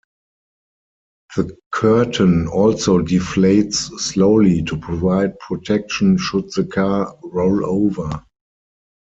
The curtain also deflates slowly to provide protection should the car roll over.